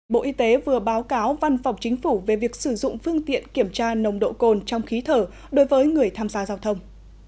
bộ y tế vừa báo cáo văn phòng chính phủ về việc sử dụng phương tiện kiểm tra nồng độ cồn trong khí thở đối với người tham gia giao thông